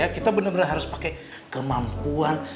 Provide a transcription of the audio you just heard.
kita bener bener harus pake kemampuan